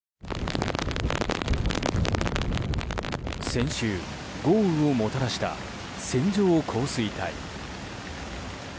先週、豪雨をもたらした線状降水帯。